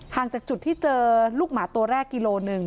จากจุดที่เจอลูกหมาตัวแรกกิโลหนึ่ง